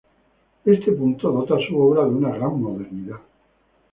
Este punto dota a su obra de una gran modernidad.